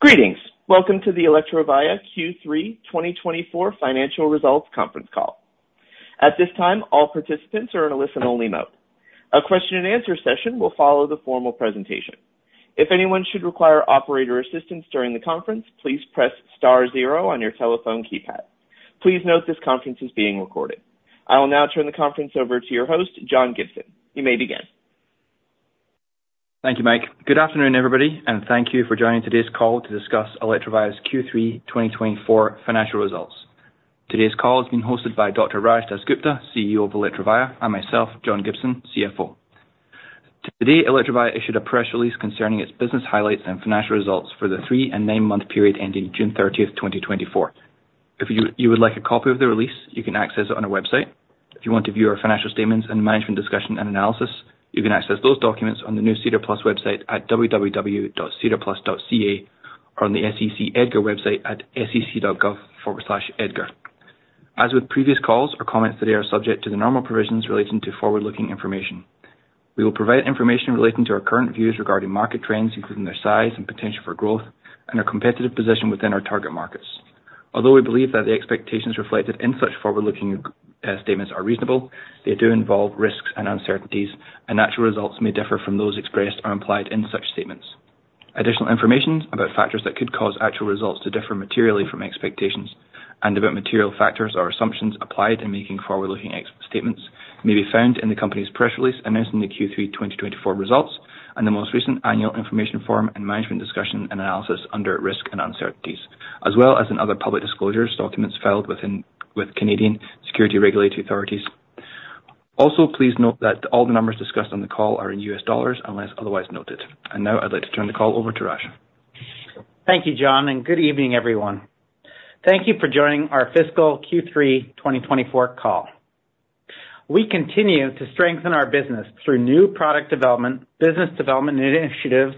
Greetings! Welcome to the Electrovaya Q3 2024 Financial Results Conference Call. At this time, all participants are in a listen-only mode. A question-and-answer session will follow the formal presentation. If anyone should require operator assistance during the conference, please press star zero on your telephone keypad. Please note this conference is being recorded. I will now turn the conference over to your host, John Gibson. You may begin. Thank you, Mike. Good afternoon, everybody, and thank you for joining today's call to discuss Electrovaya's Q3 2024 financial results. Today's call is being hosted by Dr. Raj DasGupta, CEO of Electrovaya, and myself, John Gibson, CFO. Today, Electrovaya issued a press release concerning its business highlights and financial results for the three- and nine-month period ending June 30th, 2024. If you would like a copy of the release, you can access it on our website. If you want to view our financial statements and management discussion and analysis, you can access those documents on the new SEDAR+ website at www.sedarplus.ca, or on the SEC EDGAR website at sec.gov/edgar. As with previous calls, our comments today are subject to the normal provisions relating to forward-looking information. We will provide information relating to our current views regarding market trends, including their size and potential for growth and our competitive position within our target markets. Although we believe that the expectations reflected in such forward-looking statements are reasonable, they do involve risks and uncertainties, and actual results may differ from those expressed or implied in such statements. Additional information about factors that could cause actual results to differ materially from expectations and about material factors or assumptions applied in making forward-looking statements may be found in the company's press release announcing the Q3 2024 results, and the most recent annual information form and management discussion and analysis under Risks and Uncertainties, as well as in other public disclosures, documents filed with Canadian securities regulatory authorities. Also, please note that all the numbers discussed on the call are in US dollars, unless otherwise noted. Now I'd like to turn the call over to Raj. Thank you, John, and good evening, everyone. Thank you for joining our fiscal Q3 2024 call. We continue to strengthen our business through new product development, business development initiatives,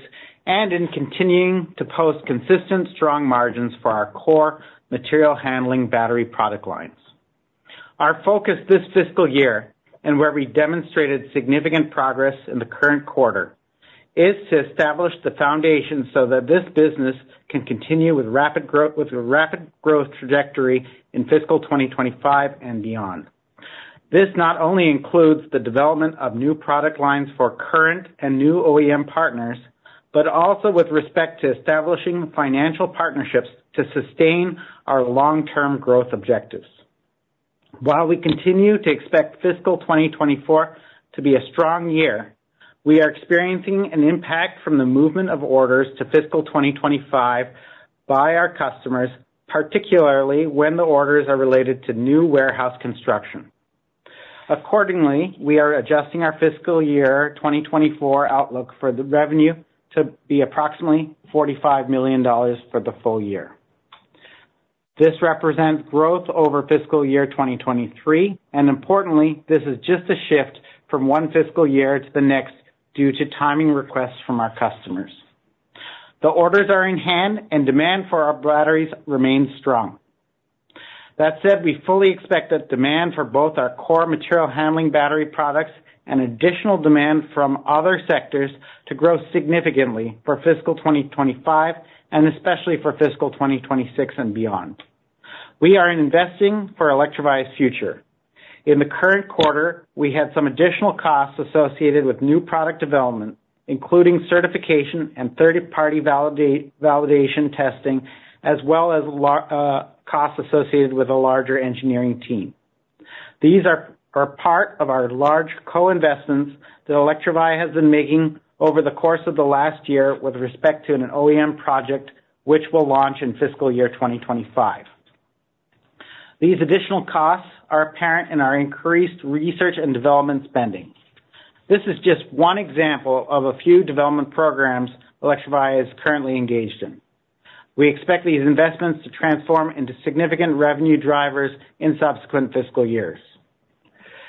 and in continuing to post consistent, strong margins for our core material handling battery product lines. Our focus this fiscal year, and where we demonstrated significant progress in the current quarter, is to establish the foundation so that this business can continue with rapid growth, with a rapid growth trajectory in fiscal 2025 and beyond. This not only includes the development of new product lines for current and new OEM partners, but also with respect to establishing financial partnerships to sustain our long-term growth objectives. While we continue to expect fiscal 2024 to be a strong year, we are experiencing an impact from the movement of orders to fiscal 2025 by our customers, particularly when the orders are related to new warehouse construction. Accordingly, we are adjusting our fiscal year 2024 outlook for the revenue to be approximately $45 million for the full year. This represents growth over fiscal year 2023, and importantly, this is just a shift from one fiscal year to the next due to timing requests from our customers. The orders are in hand, and demand for our batteries remains strong. That said, we fully expect that demand for both our core material handling battery products and additional demand from other sectors to grow significantly for fiscal 2025 and especially for fiscal 2026 and beyond. We are investing for Electrovaya's future. In the current quarter, we had some additional costs associated with new product development, including certification and third-party validation testing, as well as costs associated with a larger engineering team. These are part of our large co-investments that Electrovaya has been making over the course of the last year with respect to an OEM project, which will launch in fiscal year 2025. These additional costs are apparent in our increased research and development spending. This is just one example of a few development programs Electrovaya is currently engaged in. We expect these investments to transform into significant revenue drivers in subsequent fiscal years.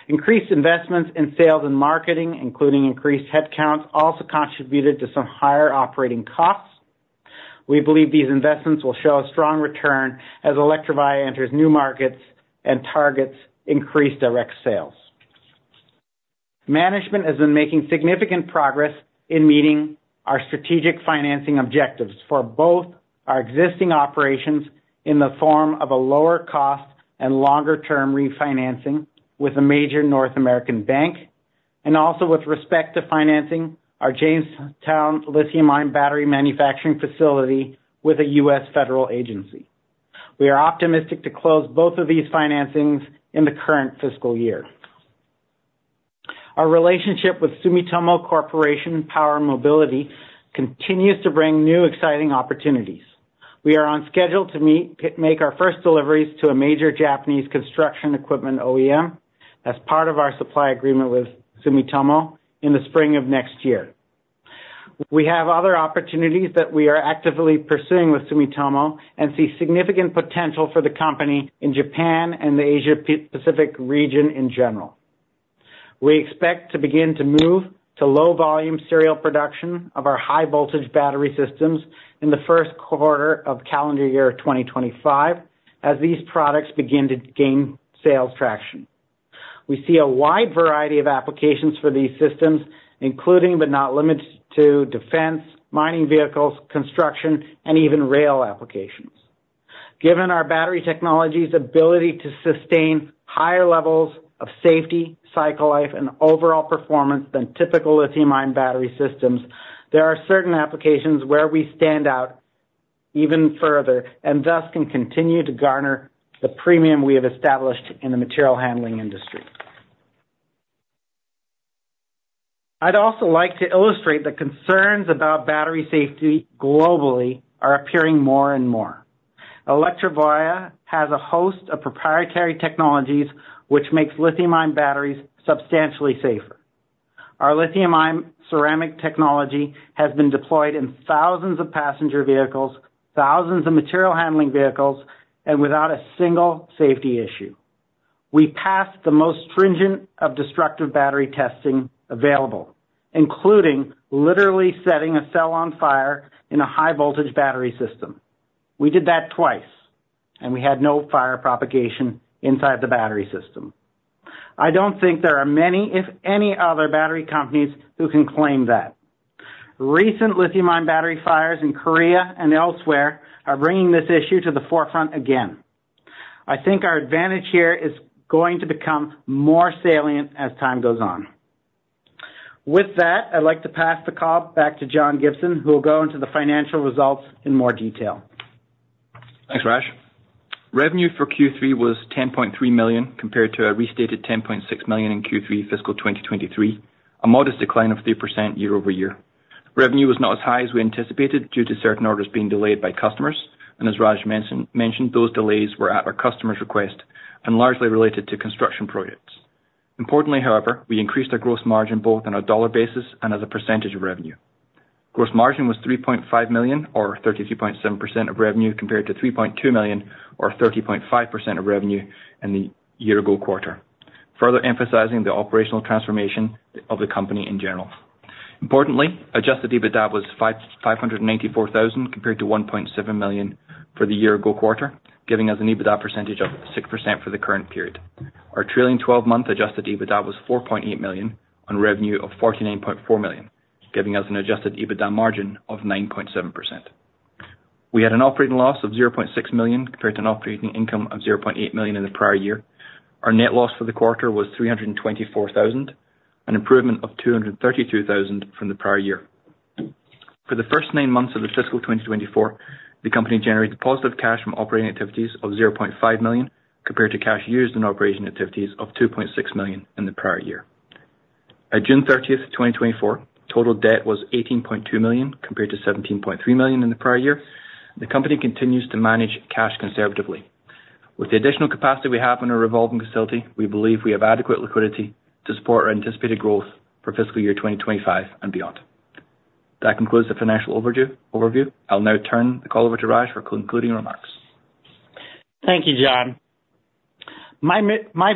Increased investments in sales and marketing, including increased headcounts, also contributed to some higher operating costs. We believe these investments will show a strong return as Electrovaya enters new markets and targets increased direct sales. Management has been making significant progress in meeting our strategic financing objectives for both our existing operations in the form of a lower cost and longer-term refinancing with a major North American bank, and also with respect to financing our Jamestown lithium-ion battery manufacturing facility with a US federal agency. We are optimistic to close both of these financings in the current fiscal year. Our relationship with Sumitomo Corporation Power & Mobility continues to bring new, exciting opportunities. We are on schedule to make our first deliveries to a major Japanese construction equipment OEM as part of our supply agreement with Sumitomo in the spring of next year. We have other opportunities that we are actively pursuing with Sumitomo and see significant potential for the company in Japan and the Asia-Pacific region in general. We expect to begin to move to low volume serial production of our high-voltage battery systems in the first quarter of calendar year 2025 as these products begin to gain sales traction. We see a wide variety of applications for these systems, including, but not limited to, defense, mining vehicles, construction, and even rail applications. Given our battery technology's ability to sustain higher levels of safety, cycle life, and overall performance than typical lithium-ion battery systems, there are certain applications where we stand out even further, and thus can continue to garner the premium we have established in the material handling industry. I'd also like to illustrate the concerns about battery safety globally are appearing more and more. Electrovaya has a host of proprietary technologies, which makes lithium-ion batteries substantially safer. Our Lithium-Ion Ceramic Technology has been deployed in thousands of passenger vehicles, thousands of material handling vehicles, and without a single safety issue. We passed the most stringent of destructive battery testing available, including literally setting a cell on fire in a high-voltage battery system. We did that twice, and we had no fire propagation inside the battery system. I don't think there are many, if any, other battery companies who can claim that. Recent lithium-ion battery fires in Korea and elsewhere are bringing this issue to the forefront again. I think our advantage here is going to become more salient as time goes on. With that, I'd like to pass the call back to John Gibson, who will go into the financial results in more detail. Thanks, Raj. Revenue for Q3 was $10.3 million, compared to a restated $10.6 million in Q3 fiscal 2023, a modest decline of 3% year-over-year. Revenue was not as high as we anticipated due to certain orders being delayed by customers, and as Raj mentioned, those delays were at our customer's request and largely related to construction projects. Importantly, however, we increased our gross margin both on a dollar basis and as a percentage of revenue. Gross margin was $3.5 million, or 32.7% of revenue, compared to $3.2 million, or 30.5% of revenue in the year-ago quarter, further emphasizing the operational transformation of the company in general. Importantly, adjusted EBITDA was $594,000, compared to $1.7 million for the year-ago quarter, giving us an EBITDA percentage of 6% for the current period. Our trailing twelve-month adjusted EBITDA was $4.8 million on revenue of $49.4 million, giving us an adjusted EBITDA margin of 9.7%. We had an operating loss of $0.6 million, compared to an operating income of $0.8 million in the prior year. Our net loss for the quarter was $324,000, an improvement of $232,000 from the prior year. For the first nine months of the fiscal 2024, the company generated positive cash from operating activities of $0.5 million, compared to cash used in operating activities of $2.6 million in the prior year. At June 30th, 2024, total debt was $18.2 million, compared to $17.3 million in the prior year. The company continues to manage cash conservatively. With the additional capacity we have in our revolving facility, we believe we have adequate liquidity to support our anticipated growth for fiscal year 2025 and beyond. That concludes the financial overview. I'll now turn the call over to Raj for concluding remarks. Thank you, John. My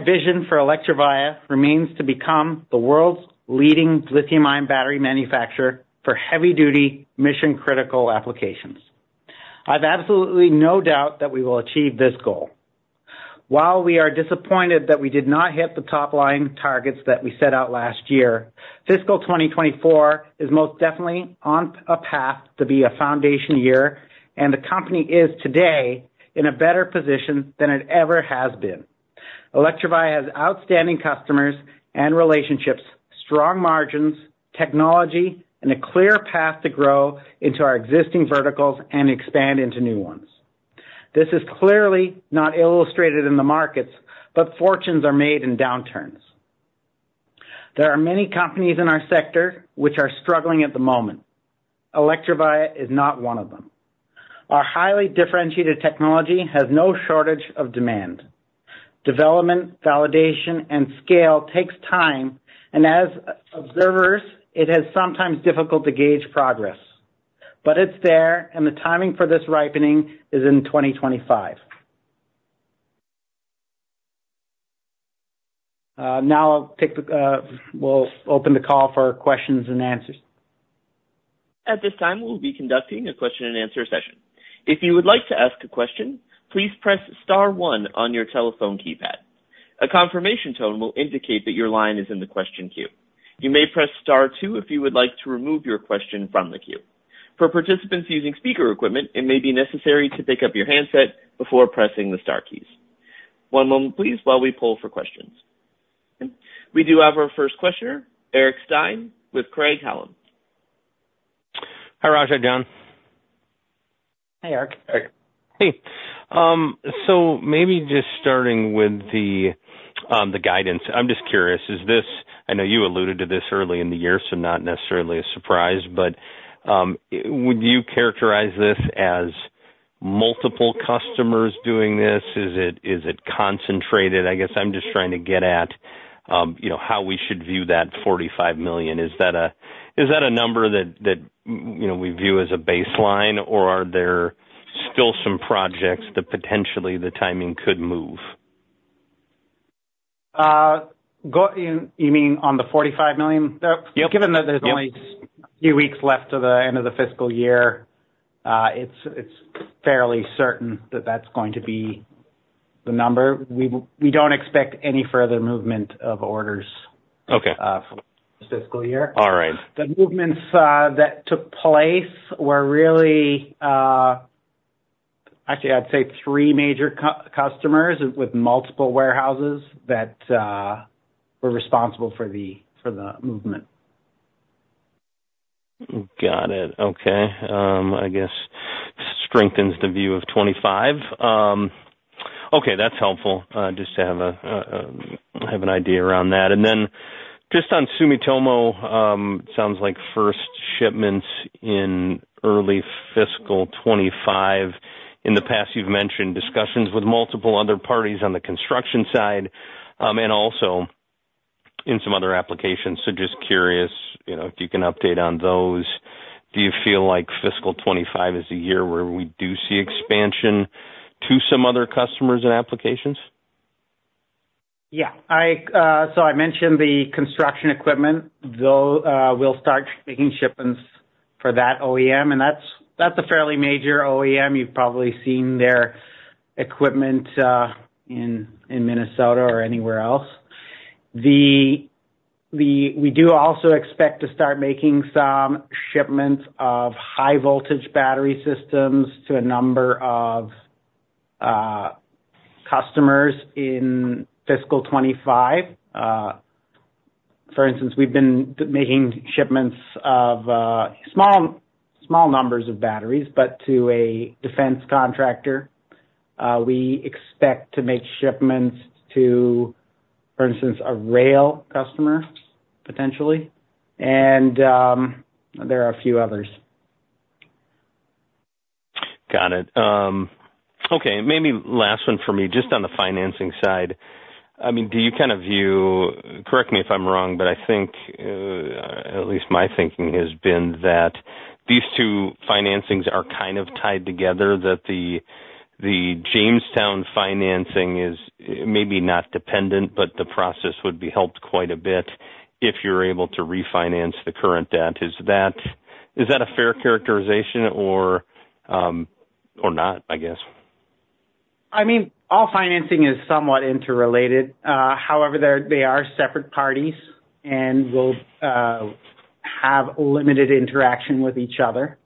vision for Electrovaya remains to become the world's leading lithium-ion battery manufacturer for heavy-duty, mission-critical applications. I've absolutely no doubt that we will achieve this goal. While we are disappointed that we did not hit the top-line targets that we set out last year, fiscal 2024 is most definitely on a path to be a foundation year, and the company is today in a better position than it ever has been. Electrovaya has outstanding customers and relationships, strong margins, technology, and a clear path to grow into our existing verticals and expand into new ones. This is clearly not illustrated in the markets, but fortunes are made in downturns. There are many companies in our sector which are struggling at the moment. Electrovaya is not one of them. Our highly differentiated technology has no shortage of demand. Development, validation, and scale takes time, and as observers, it is sometimes difficult to gauge progress. But it's there, and the timing for this ripening is in 2025. Now I'll take the, we'll open the call for questions and answers. At this time, we'll be conducting a question-and-answer session. If you would like to ask a question, please press star one on your telephone keypad. A confirmation tone will indicate that your line is in the question queue. You may press star two if you would like to remove your question from the queue. For participants using speaker equipment, it may be necessary to pick up your handset before pressing the star keys. One moment, please, while we poll for questions. We do have our first questioner, Eric Stine, with Craig-Hallum. Hi, Raj and John. Hi, Eric. Eric. Hey. Maybe just starting with the guidance. I'm just curious, is this—I know you alluded to this early in the year, so not necessarily a surprise, but, would you characterize this as multiple customers doing this? Is it, is it concentrated? I guess I'm just trying to get at, you know, how we should view that $45 million. Is that a, is that a number that, that, you know, we view as a baseline, or are there still some projects that potentially the timing could move? Do you mean on the $45 million? Yep. Given that there's only a few weeks left to the end of the fiscal year. It's fairly certain that that's going to be the number. We don't expect any further movement of orders. Okay. for this fiscal year. All right. The movements that took place were really, actually, I'd say three major customers with multiple warehouses that were responsible for the, for the movement. Got it. Okay. I guess strengthens the view of 2025. Okay, that's helpful, just to have an idea around that. And then just on Sumitomo, sounds like first shipments in early fiscal 2025. In the past, you've mentioned discussions with multiple other parties on the construction side, and also in some other applications. So just curious, you know, if you can update on those. Do you feel like fiscal 2025 is a year where we do see expansion to some other customers and applications? Yeah. I so I mentioned the construction equipment, though, we'll start making shipments for that OEM, and that's, that's a fairly major OEM. You've probably seen their equipment in Minnesota or anywhere else. We do also expect to start making some shipments of high voltage battery systems to a number of customers in fiscal 2025. For instance, we've been making shipments of small numbers of batteries to a defense contractor. We expect to make shipments to, for instance, a rail customer, potentially, and there are a few others. Got it. Okay, maybe last one for me, just on the financing side. I mean, do you kind of view... Correct me if I'm wrong, but I think, at least my thinking has been that these two financings are kind of tied together. That the Jamestown financing is maybe not dependent, but the process would be helped quite a bit if you're able to refinance the current debt. Is that, is that a fair characterization or, or not, I guess? I mean, all financing is somewhat interrelated. However, they're, they are separate parties and will have limited interaction with each other.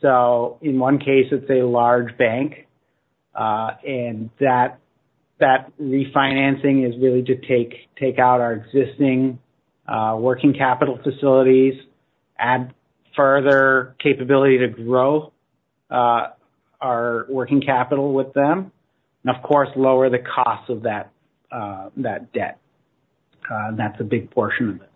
So in one case, it's a large bank, and that refinancing is really to take out our existing working capital facilities, add further capability to grow our working capital with them, and of course, lower the cost of that debt. That's a big portion of it.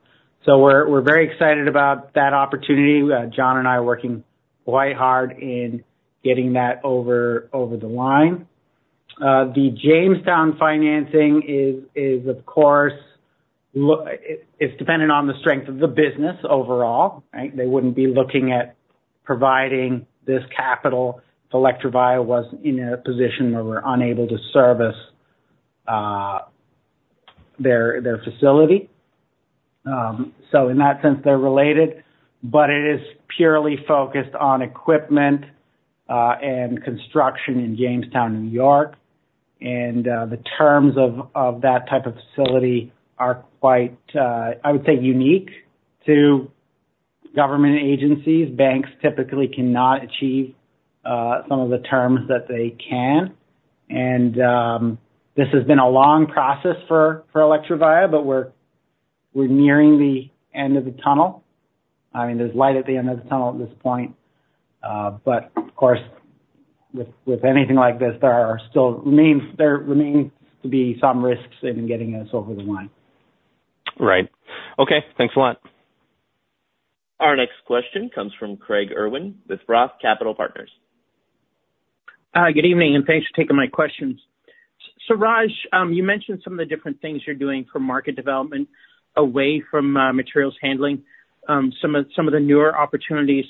So we're very excited about that opportunity. John and I are working quite hard in getting that over the line. The Jamestown financing is, of course, it's dependent on the strength of the business overall, right? They wouldn't be looking at providing this capital if Electrovaya was in a position where we're unable to service their facility. So in that sense, they're related, but it is purely focused on equipment and construction in Jamestown, New York. The terms of that type of facility are quite, I would say, unique to government agencies. Banks typically cannot achieve some of the terms that they can, and this has been a long process for Electrovaya, but we're nearing the end of the tunnel. I mean, there's light at the end of the tunnel at this point, but of course, with anything like this, there remains to be some risks in getting this over the line. Right. Okay. Thanks a lot. Our next question comes from Craig Irwin with Roth Capital Partners. Good evening, and thanks for taking my questions. So Raj, you mentioned some of the different things you're doing for market development away from materials handling, some of the newer opportunities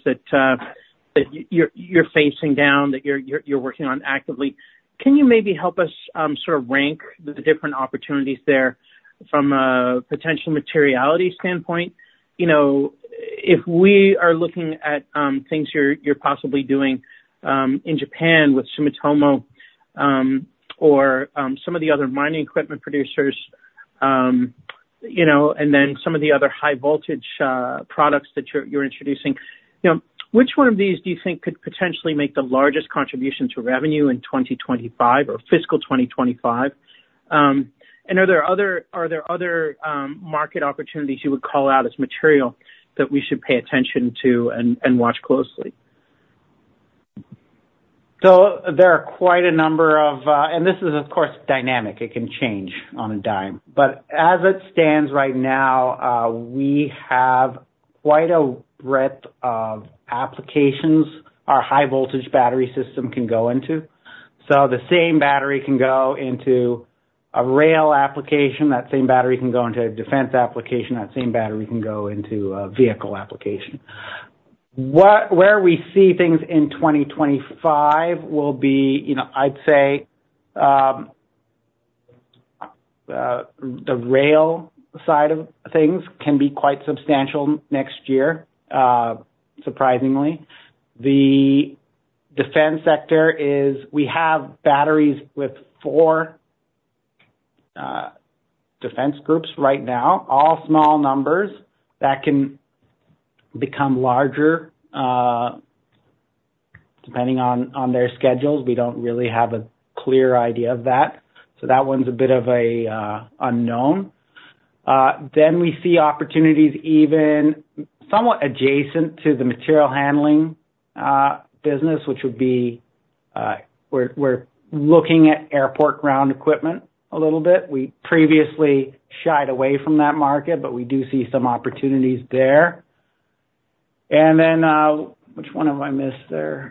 that you're working on actively. Can you maybe help us sort of rank the different opportunities there from a potential materiality standpoint? You know, if we are looking at things you're possibly doing in Japan with Sumitomo, or some of the other mining equipment producers, you know, and then some of the other high voltage products that you're introducing, you know, which one of these do you think could potentially make the largest contribution to revenue in 2025 or fiscal 2025? And are there other market opportunities you would call out as material that we should pay attention to and watch closely? So there are quite a number of, and this is, of course, dynamic. It can change on a dime. But as it stands right now, we have quite a breadth of applications our high-voltage battery system can go into. So the same battery can go into a rail application, that same battery can go into a defense application, that same battery can go into a vehicle application. Where we see things in 2025 will be, you know, I'd say, the rail side of things can be quite substantial next year, surprisingly. The defense sector is, we have batteries with four defense groups right now, all small numbers that can become larger, depending on their schedules. We don't really have a clear idea of that, so that one's a bit of a unknown. Then we see opportunities even somewhat adjacent to the material handling business, which would be, we're looking at airport ground equipment a little bit. We previously shied away from that market, but we do see some opportunities there. And then, which one have I missed there?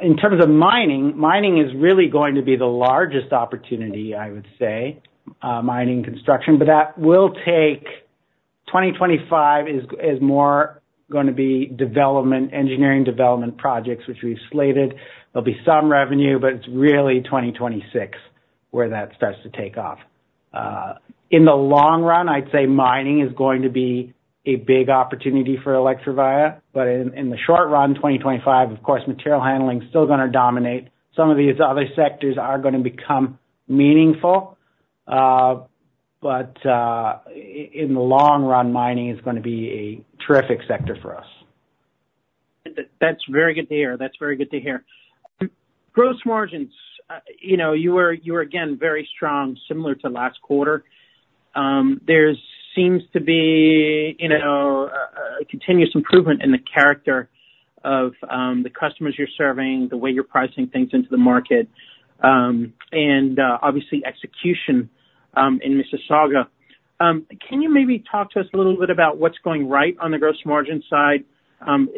In terms of mining, mining is really going to be the largest opportunity, I would say, mining construction, but that will take 2025 is more gonna be development, engineering development projects, which we've slated. There'll be some revenue, but it's really 2026 where that starts to take off. In the long run, I'd say mining is going to be a big opportunity for Electrovaya, but in the short run, 2025, of course, material handling is still gonna dominate. Some of these other sectors are gonna become meaningful, but, in the long run, mining is gonna be a terrific sector for us. That's very good to hear. That's very good to hear. Gross margins, you know, you were, you were again, very strong, similar to last quarter. There seems to be, you know, a continuous improvement in the character of the customers you're serving, the way you're pricing things into the market, and, obviously, execution in Mississauga. Can you maybe talk to us a little bit about what's going right on the gross margin side?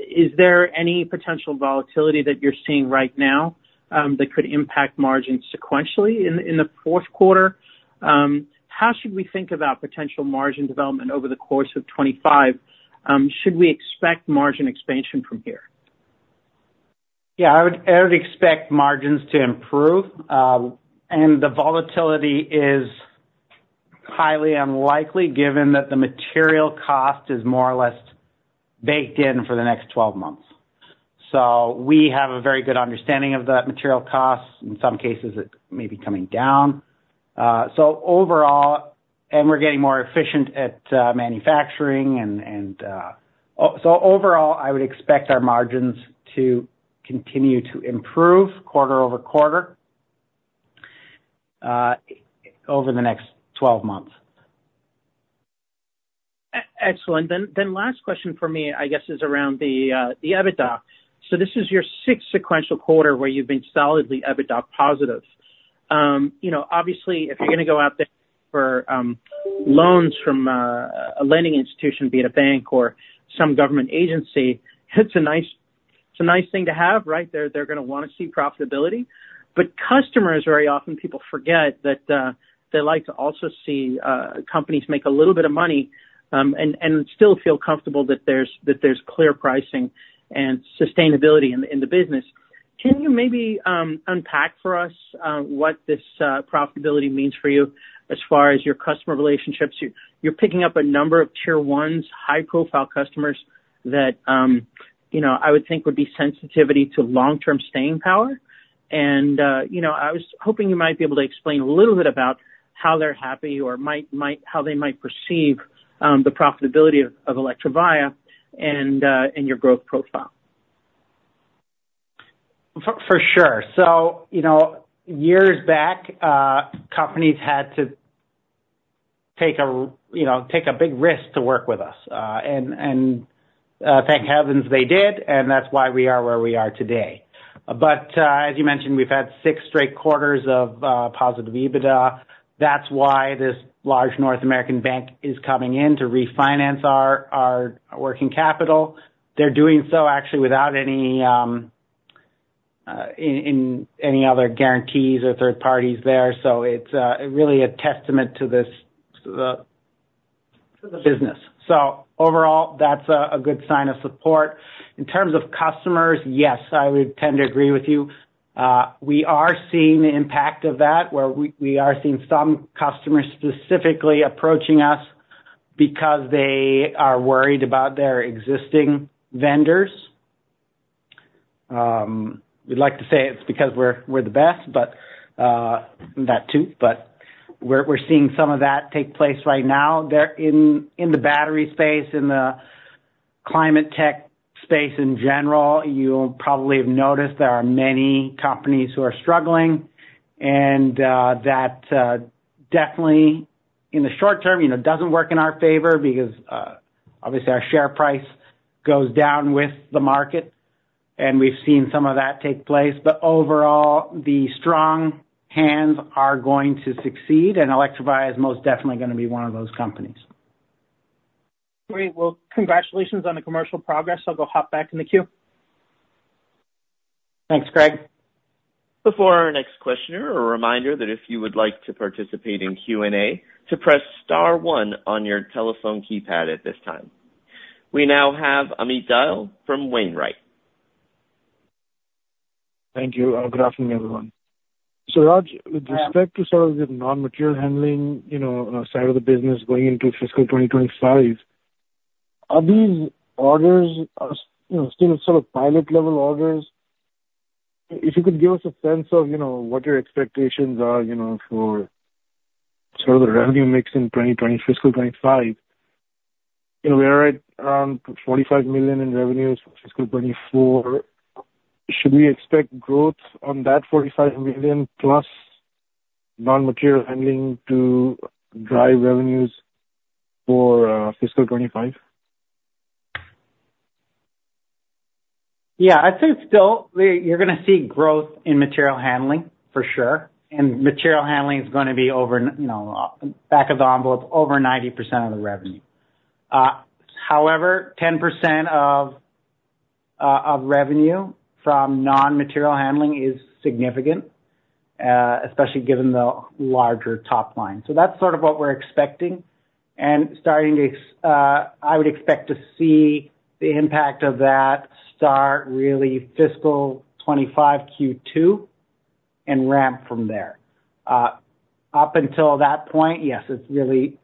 Is there any potential volatility that you're seeing right now, that could impact margins sequentially in the fourth quarter? How should we think about potential margin development over the course of 2025? Should we expect margin expansion from here? Yeah, I would, I would expect margins to improve. And the volatility is highly unlikely, given that the material cost is more or less baked in for the next 12 months. So we have a very good understanding of that material cost. In some cases, it may be coming down. So overall, and we're getting more efficient at manufacturing and... So overall, I would expect our margins to continue to improve quarter-over-quarter, over the next 12 months. Excellent. Then last question for me, I guess, is around the EBITDA. So this is your sixth sequential quarter where you've been solidly EBITDA positive. You know, obviously, if you're gonna go out there for loans from a lending institution, be it a bank or some government agency, it's a nice thing to have, right? They're gonna wanna see profitability. But customers, very often, people forget that they like to also see companies make a little bit of money and still feel comfortable that there's clear pricing and sustainability in the business. Can you maybe unpack for us what this profitability means for you as far as your customer relationships? You're picking up a number of Tier 1s, high-profile customers that, you know, I would think would be sensitivity to long-term staying power. You know, I was hoping you might be able to explain a little bit about how they're happy or how they might perceive the profitability of Electrovaya and, and your growth profile. For sure. So, you know, years back, companies had to take a big risk to work with us. And thank heavens they did, and that's why we are where we are today. But as you mentioned, we've had six straight quarters of positive EBITDA. That's why this large North American bank is coming in to refinance our working capital. They're doing so actually without any other guarantees or third parties there. So it's really a testament to this to the business. So overall, that's a good sign of support. In terms of customers, yes, I would tend to agree with you. We are seeing the impact of that, where we are seeing some customers specifically approaching us because they are worried about their existing vendors. We'd like to say it's because we're, we're the best, but that too, but we're, we're seeing some of that take place right now. They're in the battery space, in the climate tech space in general, you'll probably have noticed there are many companies who are struggling, and that definitely in the short term, you know, doesn't work in our favor because obviously our share price goes down with the market, and we've seen some of that take place. But overall, the strong hands are going to succeed, and Electrovaya is most definitely gonna be one of those companies. Great. Well, congratulations on the commercial progress. I'll go hop back in the queue. Thanks, Greg. Before our next questioner, a reminder that if you would like to participate in Q&A, to press star one on your telephone keypad at this time. We now have Amit Dayal from Wainwright. Thank you. Good afternoon, everyone. So, Raj, with respect to sort of the non-material handling, you know, side of the business going into fiscal 2025, are these orders, you know, still sort of pilot-level orders? If you could give us a sense of, you know, what your expectations are, you know, for sort of the revenue mix in fiscal 2025. You know, we are at $45 million in revenues for fiscal 2024. Should we expect growth on that $45 million plus non-material handling to drive revenues for fiscal 2025? Yeah, I'd say still, you're gonna see growth in material handling, for sure, and material handling is gonna be over, you know, back of the envelope, over 90% of the revenue. However, 10% of revenue from non-material handling is significant, especially given the larger top line. So that's sort of what we're expecting, and starting to, I would expect to see the impact of that start really fiscal 2025 Q2, and ramp from there. Up until that point, yes, it's really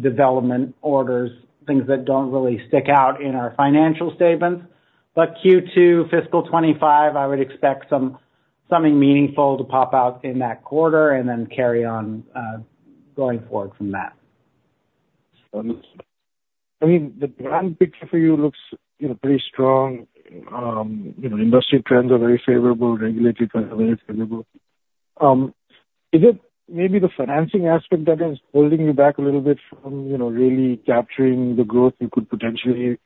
development orders, things that don't really stick out in our financial statements. But Q2 fiscal 2025, I would expect something meaningful to pop out in that quarter and then carry on, going forward from that. I mean, the brand picture for you looks, you know, pretty strong. You know, industry trends are very favorable, regulatory trends are very favorable. Is it maybe the financing aspect that is holding you back a little bit from, you know, really capturing the growth you could potentially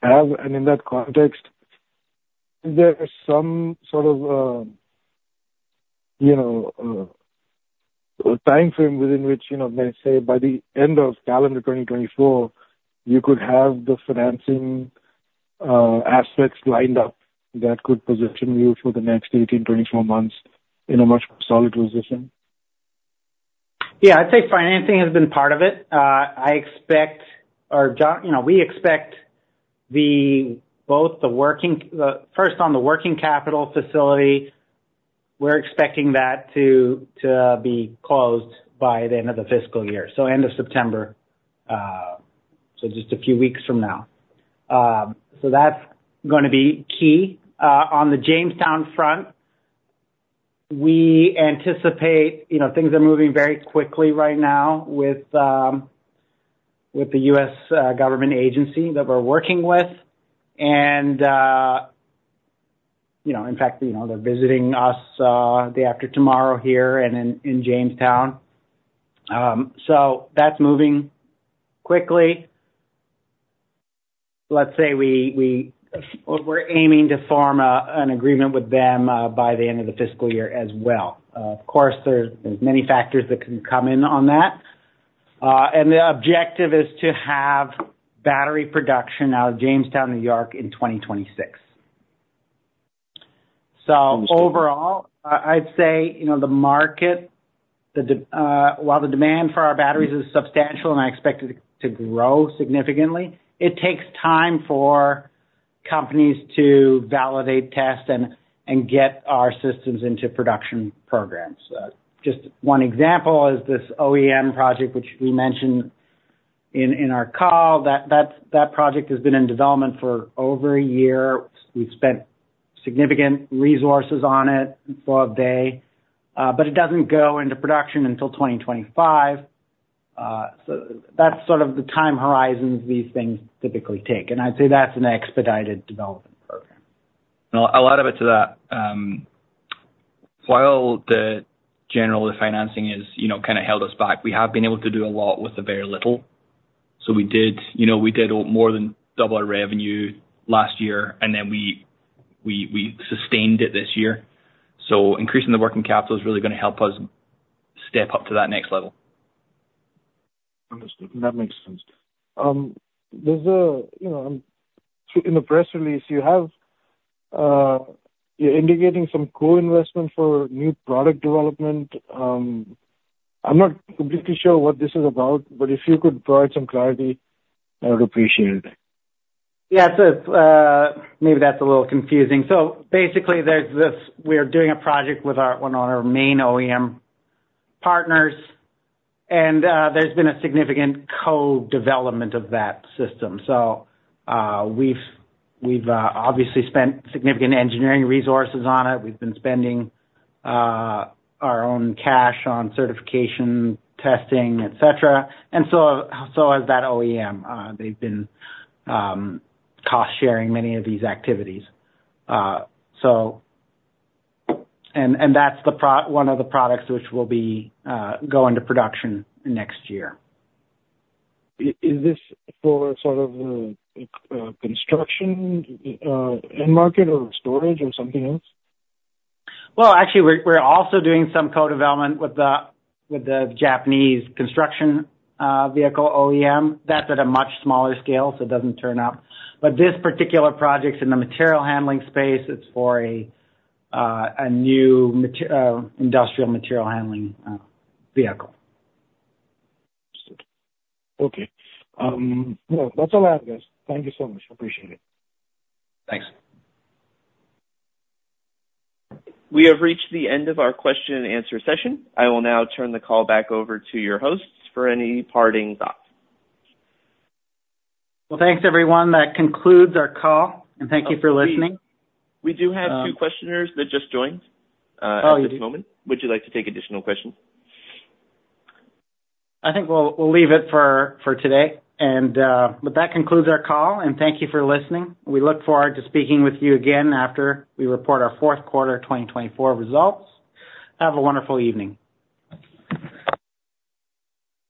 have? And in that context, is there some sort of, you know, timeframe within which, you know, let's say by the end of calendar 2024, you could have the financing, aspects lined up that could position you for the next 18, 24 months in a much more solid position? Yeah, I'd say financing has been part of it. First, on the working capital facility, we're expecting that to be closed by the end of the fiscal year, so end of September. So that's gonna be key. On the Jamestown front, we anticipate, you know, things are moving very quickly right now with the U.S. government agency that we're working with. You know, in fact, you know, they're visiting us day after tomorrow here and in Jamestown. So that's moving quickly. Let's say we're aiming to form an agreement with them by the end of the fiscal year as well. Of course, there's many factors that can come in on that. And the objective is to have battery production out of Jamestown, New York, in 2026. So overall, I'd say, you know, the market, while the demand for our batteries is substantial, and I expect it to grow significantly, it takes time for companies to validate, test, and get our systems into production programs. Just one example is this OEM project, which we mentioned in our call, that project has been in development for over a year. We've spent significant resources on it for a day, but it doesn't go into production until 2025. So that's sort of the time horizons these things typically take, and I'd say that's an expedited development program. Well, a lot of it to that, while the general, the financing is, you know, kind of held us back, we have been able to do a lot with the very little. So we did, you know, we did more than double our revenue last year, and then we sustained it this year. So increasing the working capital is really gonna help us step up to that next level. Understood. That makes sense. There's a, you know, in the press release, you have, you're indicating some co-investment for new product development. I'm not completely sure what this is about, but if you could provide some clarity, I would appreciate it. Yeah. So, maybe that's a little confusing. So basically, there's this, we're doing a project with our, one of our main OEM partners, and, there's been a significant co-development of that system. So, we've obviously spent significant engineering resources on it. We've been spending our own cash on certification, testing, et cetera, and so has that OEM. They've been cost-sharing many of these activities. So and, and that's the pro- one of the products which will go into production next year. Is this for sort of construction end market or storage or something else? Well, actually, we're, we're also doing some co-development with the, with the Japanese construction vehicle OEM. That's at a much smaller scale, so it doesn't turn up. But this particular project's in the material handling space. It's for a new industrial material handling vehicle. Okay. Well, that's all I have, guys. Thank you so much. Appreciate it. Thanks. We have reached the end of our question and answer session. I will now turn the call back over to your hosts for any parting thoughts. Well, thanks, everyone. That concludes our call, and thank you for listening. We do have two questioners that just joined at this moment. Would you like to take additional questions? I think we'll leave it for today, but that concludes our call, and thank you for listening. We look forward to speaking with you again after we report our fourth quarter 2024 results. Have a wonderful evening.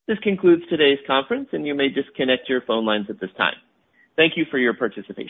This concludes today's conference, and you may disconnect your phone lines at this time. Thank you for your participation.